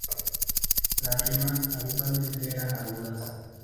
Las rimas, habitualmente, eran agudas.